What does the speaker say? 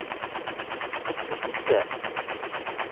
Tetteqqes tissist-a?